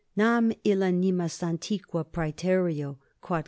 Nam illa nimis antiqua praetereo, quod C.